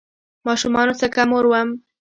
ماشومانو سکه مور وم